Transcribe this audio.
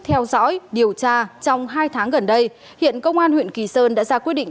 theo dõi điều tra trong hai tháng gần đây hiện công an huyện kỳ sơn đã ra quyết định